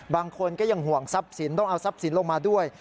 บางคนก็ยังห่วงทรัพย์สินต้องเอาทรัพย์สินลงมาด้วย